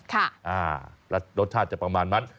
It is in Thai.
ค่ะอ่ารสชาติจะประมาณมั้น